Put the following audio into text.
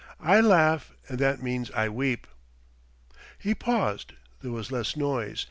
I laugh, and that means I weep!" He paused. There was less noise.